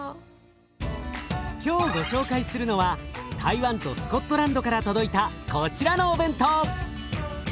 今日ご紹介するのは台湾とスコットランドから届いたこちらのお弁当！